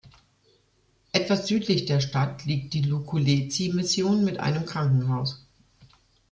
Etwas südlich der Stadt liegt die Lukulezi-Mission mit einem Krankenhaus.